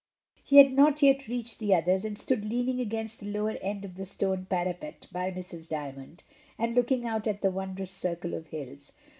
He had not yet reached the others, and stood leaning against the lower end of the stone parapet by Mrs. Dymond, and looking out at the wondrous circle of hills.